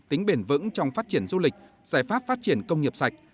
tính bền vững trong phát triển du lịch giải pháp phát triển công nghiệp sạch